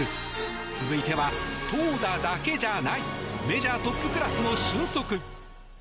続いては、投打だけじゃないメジャートップクラスの俊足。